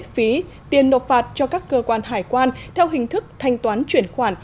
phí tiền nộp phạt cho các cơ quan hải quan theo hình thức thanh toán chuyển khoản